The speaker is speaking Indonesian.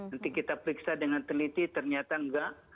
nanti kita periksa dengan teliti ternyata enggak